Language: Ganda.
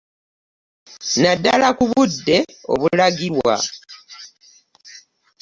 Naddala ku budde obulagirwa